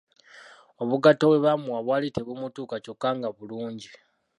Obugatto bwe baamuwa bwali tebumutuuka kyokka nga bulungi.